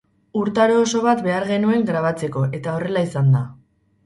Urtaro oso bat behar genuen grabatzeko, eta horrela izan da.